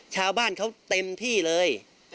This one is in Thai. ชาวบ้านเขาเต็มที่เลย